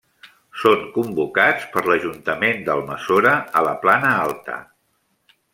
Són convocats per l'Ajuntament d'Almassora, a la Plana Alta.